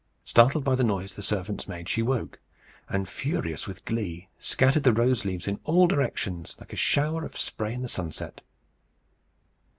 Startled by the noise the servants made, she woke, and, furious with glee, scattered the rose leaves in all directions, like a shower of spray in the sunset.